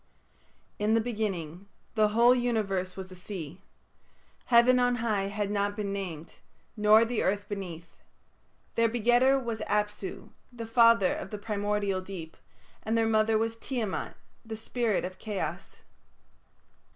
In the beginning the whole universe was a sea. Heaven on high had not been named, nor the earth beneath. Their begetter was Apsu, the father of the primordial Deep, and their mother was Tiamat, the spirit of Chaos.